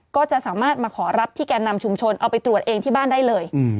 ก็จะสามารถมาขอรับที่แก่นำชุมชนเอาไปตรวจเองที่บ้านได้เลย